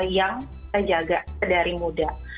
yang terjaga dari muda